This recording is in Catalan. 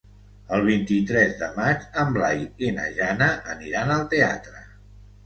El vint-i-tres de maig en Blai i na Jana aniran al teatre.